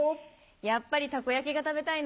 やっぱりタコ焼きが食べたいな。